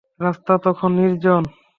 রাস্তা তখন নির্জন।